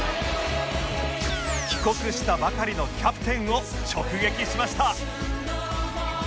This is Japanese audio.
帰国したばかりのキャプテンを直撃しました！